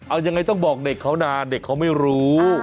เอายังไงต้องบอกเด็กเขานานเด็กเขาไม่รู้